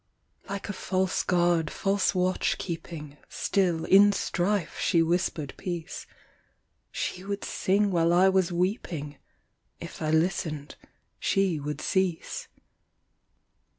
Like a false guard, false watch keeping, Still, in strife, she whispered peace; She would sing while I was weeping; If I listened, she would cease.